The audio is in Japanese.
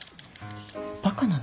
バカなの？